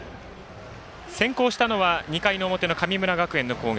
先行したのは２回の表の神村学園の攻撃。